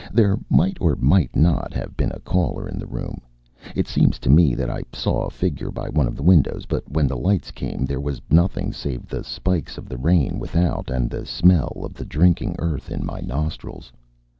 There might or might not have been a caller in the room it seems to me that I saw a figure by one of the windows, but when the lights came there was nothing save the spikes of the rain without and the smell of the drinking earth in my nostrils.